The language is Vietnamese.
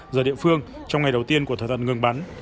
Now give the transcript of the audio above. giờ địa phương trong ngày đầu tiên của thỏa thuận ngừng bắn